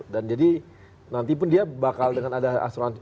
dan jadi nanti pun dia bakal dengan ada asuransi